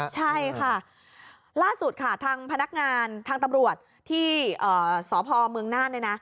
ใช่ค่ะล่าสุดค่ะทางพนักงานทางตำรวจที่สพเมืองน่านเนี่ยนะ